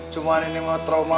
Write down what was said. cuma ini mah trauma